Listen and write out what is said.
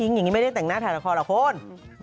อย่างนี้ไม่ได้แต่งหน้าถ่ายละครหรอกคุณ